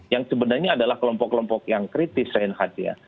yang sebenarnya adalah kelompok kelompok yang kritis reyn hadid